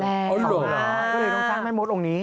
ที่เดี๋ยวต้องสร้างแม่มจต์องค์นี้